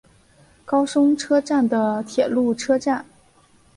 高松车站的铁路车站。